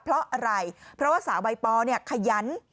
เพราะอะไรเพราะว่าสาวใบปอเนี่ยขยัน